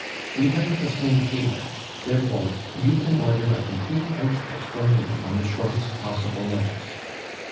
We have the same tailor; therefore, you can order a complete outfit for me on the shortest possible notice.